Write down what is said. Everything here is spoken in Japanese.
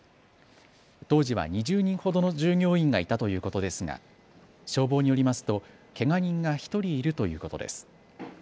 当時は２０人ほどの従業員がいたということですが消防によりますと、けが人が１人いるということです。